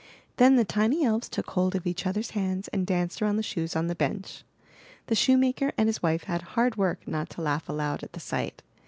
Then the tiny elves took hold of each others* hands and danced around the shoes on the bench. The shoe maker and his wife had hard work not to laugh aloud at the sight.